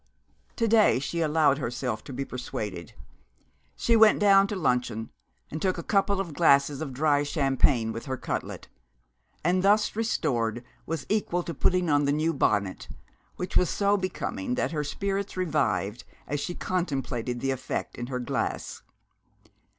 To day she allowed herself to be persuaded. She went down to luncheon, and took a couple of glasses of dry champagne with her cutlet, and, thus restored, was equal to putting on the new bonnet, which was so becoming that her spirits revived as she contemplated the effect in her glass.